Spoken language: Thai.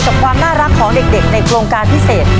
กับความน่ารักของเด็กในโครงการพิเศษ